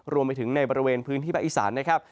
รวมไปถึงในบริเวณพื้นที่ภาคอีสานนะครับ